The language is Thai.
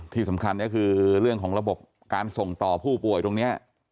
ที่สำคัญก็คือเรื่องของระบบการส่งต่อผู้ป่วยตรงนี้